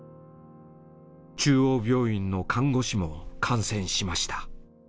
中央病院の看護師も感染しました。